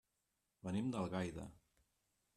Venim d'Algaida.